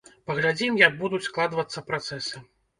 Паглядзім, як будуць складвацца працэсы.